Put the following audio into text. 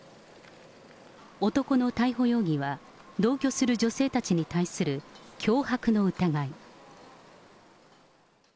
男の逮捕容疑は、同居する女性たちに対する脅迫の疑い。